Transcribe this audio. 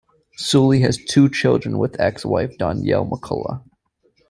Suli has two children with ex-wife Donyell McCullough.